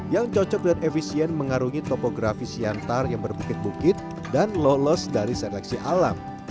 yang cocok dan efisien mengarungi topografi siantar yang berbukit bukit dan lolos dari seleksi alam